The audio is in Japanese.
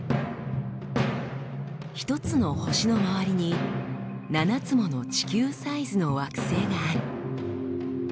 １つの星の周りに７つもの地球サイズの惑星がある。